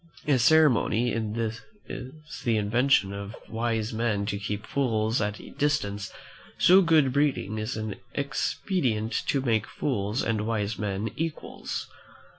As ceremony is the invention of wise men to keep fools at a distance, so good breeding is an expedient to make fools and wise men equals.